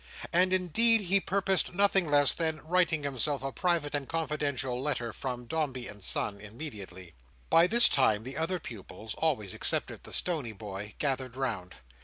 And indeed he purposed nothing less than writing himself a private and confidential letter from Dombey and Son immediately. By this time the other pupils (always excepting the stony boy) gathered round.